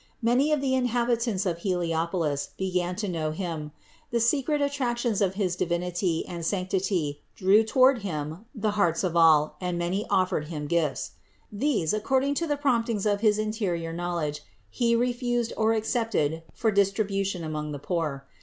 Many of the inhabitants of Heliopolis began to know Him; the secret attractions of his Divinity and sanctity drew toward Him the hearts of all, and many offered Him gifts. These, according to the promptings of his interior knowledge, He refused or accepted for distribution among the poor.